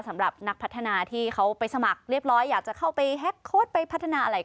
สำหรับนักพัฒนาที่เขาไปสมัครเรียบร้อยอยากจะเข้าไปแฮ็กโค้ดไปพัฒนาอะไร